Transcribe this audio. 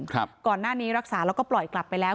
ก่อนหน้านี้รักษาแล้วก็ปล่อยกลับไปแล้ว